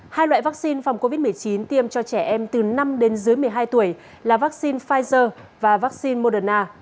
hai loại vắc xin phòng covid một mươi chín tiêm cho trẻ em từ năm đến dưới một mươi hai tuổi là vắc xin pfizer và vắc xin moderna